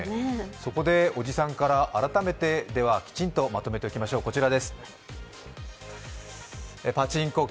そこでおじさんから改めてではきちんとまとめておきましょう、こちらです。